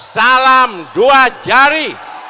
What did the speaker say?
salam dua jari